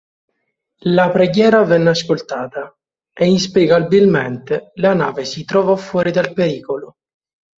La preghiera venne ascoltata, e inspiegabilmente, la nave si trovò fuori dal pericolo.